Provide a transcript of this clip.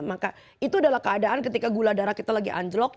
maka itu adalah keadaan ketika gula darah kita lagi anjlok